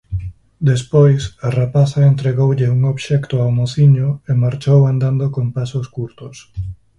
Despois, a rapaza entregoulle un obxecto ao mociño e marchou andando con pasos curtos.